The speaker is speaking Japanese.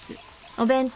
お弁当。